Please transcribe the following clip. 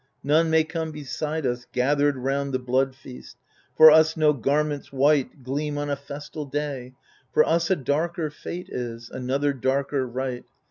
None may come beside us gathered round the blood feast — For us no garments white Gleam on a festal day ; for us a darker fate is, Another darker rite.